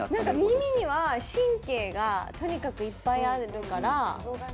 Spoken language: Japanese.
耳には神経がとにかくいっぱいあるから。